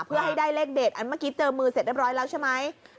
เพื่อให้ได้เลขเด็ดอันเมื่อกี้เจอมือเสร็จเรียบร้อยแล้วใช่ไหม